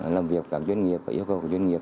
làm việc các doanh nghiệp và yêu cầu của doanh nghiệp